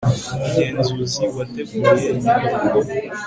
umugenzuzi wateguye inyandiko